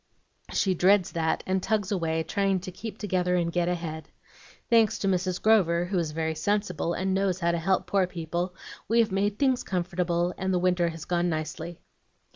She dreads that, and tugs away, trying to keep together and get ahead. Thanks to Mrs. Grover, who is very sensible, and knows how to help poor people, we have made things comfortable, and the winter has gone nicely.